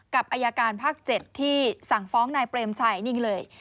กับอายการภาค๗ที่สั่งฟ้องนายเปรมชัยนิ่งเลย